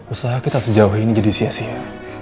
usaha kita sejauh ini jadi sia sia